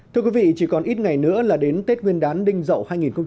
thưa quý vị chỉ còn ít ngày nữa là đến tết nguyên đán đinh dậu hai nghìn hai mươi bốn